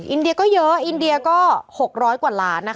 อินเดียก็เยอะอินเดียก็๖๐๐กว่าล้าน